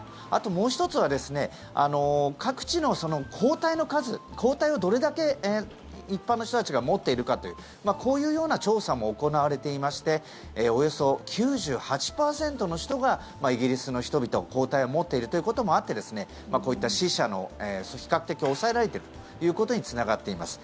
もう１つは各地の抗体の数抗体をどれだけ一般の人が持っているかというこういうような調査も行われていましておよそ９８％の人がイギリスの人々は抗体を持っているということもあってこういった死者の数が比較的抑えられているということにつながっています。